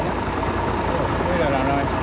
bây giờ làm nào anh